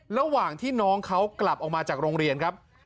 ระหว่างที่น้องเขากลับออกมาจากโรงเรียนครับ